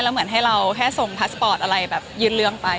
เหมือนให้เราแค่ส่งพาสปอร์ตอะไรแบบยื่นเรื่องไป